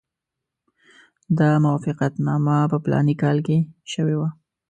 دا موافقتنامه په فلاني کال کې شوې وه.